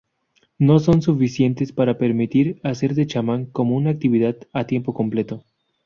No son suficientes para permitir hacer de chamán como una actividad a tiempo completo.